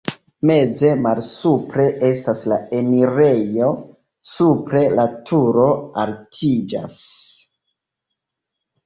Meze malsupre estas la enirejo, supre la turo altiĝas.